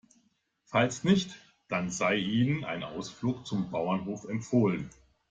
Falls nicht, dann sei Ihnen ein Ausflug zum Bauernhof empfohlen.